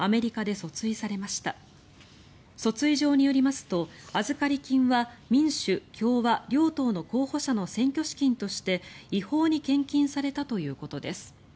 訴追状によりますと預かり金は民主・共和両党の候補者の選挙資金として違法に献金されたということです。